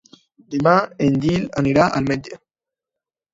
Demà en Gil anirà al metge.